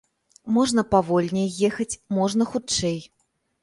Можна павольней ехаць, можна хутчэй.